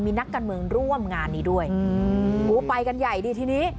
มีนักการเมืองร่วมงานนี้ด้วยไปกันใหญ่ดีทีนี้